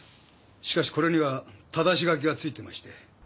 しかしこれには但し書きが付いていまして。